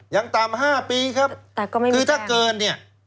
ยังตามห้าปีครับแต่ก็ไม่มีแรงคือถ้าเกินเนี้ย